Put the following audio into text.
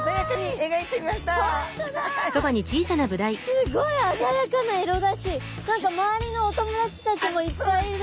すごい鮮やかな色だし何か周りのお友達たちもいっぱいいる。